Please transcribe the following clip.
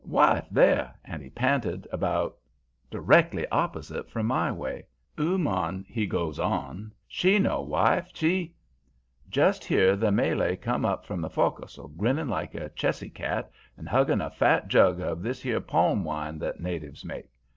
Wife there,' and he p'inted about directly opposite from my way. 'Ooman,' he goes on, 'she no wife, she ' "Just here the Malay come up from the fo'castle, grinning like a chessy cat and hugging a fat jug of this here palm wine that natives make.